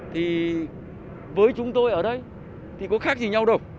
thì với chúng tôi ở đây thì có khác gì nhau được